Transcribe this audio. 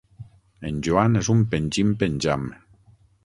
En Joan és un pengim-penjam.